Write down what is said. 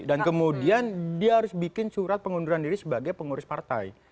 dan kemudian dia harus bikin surat pengunduran diri sebagai pengurus partai